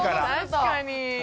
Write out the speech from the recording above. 確かに。